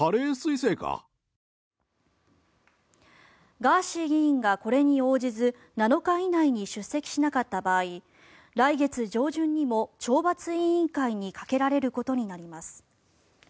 ガーシー議員がこれに応じず７日以内に出席しなかった場合来月上旬にも懲罰委員会にかけられることになります。